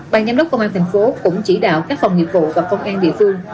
bàn giám đốc công an tp hcm cũng chỉ đạo các phòng nghiệp vụ và công an địa phương